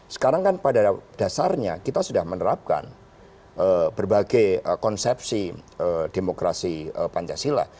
sekarang kan pada dasarnya kita sudah menerapkan berbagai konsepsi demokrasi pancasila